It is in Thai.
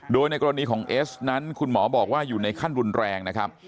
โดยในกรณีของเอสนั้นคุณหมอบอกว่าอยู่ในขั้นรุนแรงนะครับ